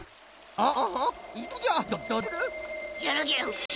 ああ